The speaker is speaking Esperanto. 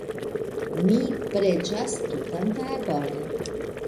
Mi preĝas tutan tagon.